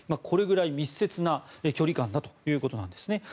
これぐらい密接な距離感だということなんです。